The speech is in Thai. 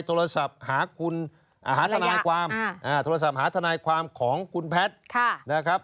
โทรศัพท์หาทนายความของคุณแพทท์